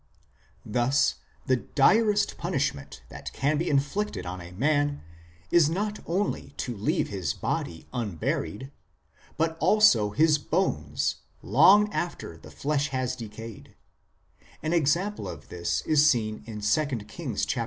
Thus, the direst punishment that can be inflicted on a man is not only to leave his body unburied, but also his bones, long after the flesh has decayed ; an example of this is seen in 2 Kings xxiii.